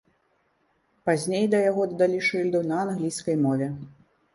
Пазней да яго дадалі шыльду на англійскай мове.